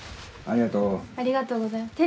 ありがとうございます。